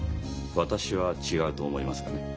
私は違うと思いますがね。